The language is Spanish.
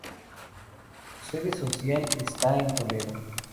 Su sede social está en Toledo.